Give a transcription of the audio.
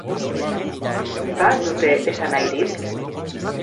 Ba al dute esanahirik?